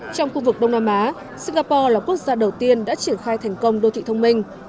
trong khu vực đông nam á singapore là quốc gia đầu tiên đã triển khai thành công đô thị thông minh